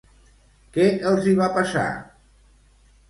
Què els hi va passar?